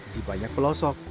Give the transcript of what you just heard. di banyak pelosok